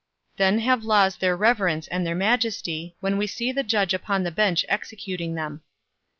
Then have laws their reverence and their majesty, when we see the judge upon the bench executing them.